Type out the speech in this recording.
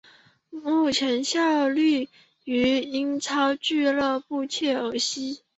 目前效力于英超俱乐部切尔西。